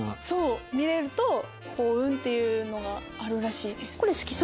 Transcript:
そう見れると幸運っていうのがあるらしいです。